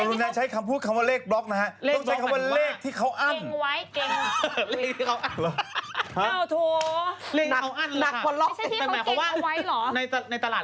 ต้องใช้คำว่าเลขที่เขาอ่ำ